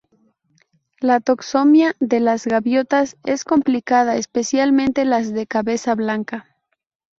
La taxonomía de las gaviotas es complicada, especialmente las de cabeza blanca.